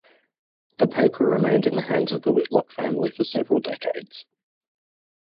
The paper remained in the hands of the Whitlock family for several decades.